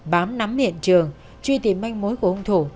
bám nắm hiện trường truy tìm manh mối của ông thủ